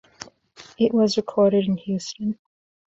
It was recorded in Houston.